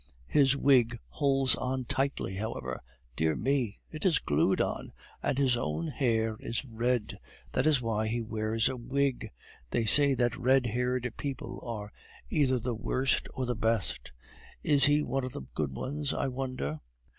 His wig holds on tightly, however. Dear me! it is glued on, and his own hair is red; that is why he wears a wig. They say that red haired people are either the worst or the best. Is he one of the good ones, I wonder?"